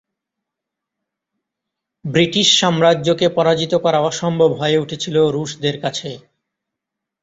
British সাম্রাজ্য কে পরাজিত করা অসম্ভব হয়ে উঠেছিল রুশদের কাছে।